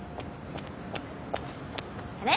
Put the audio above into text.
あれ？